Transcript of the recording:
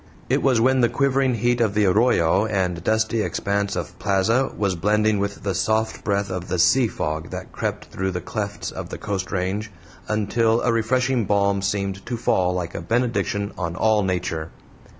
It was when the quivering heat of the arroyo and dusty expanse of plaza was blending with the soft breath of the sea fog that crept through the clefts of the coast range, until a refreshing balm seemed to fall like a benediction on all nature.